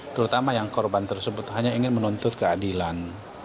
terutama yang korban tersebut hanya ingin menuntut keadilan